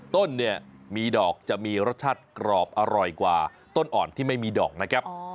ต้นเนี่ยมีดอกจะมีรสชาติกรอบอร่อยกว่าต้นอ่อนที่ไม่มีดอกนะครับ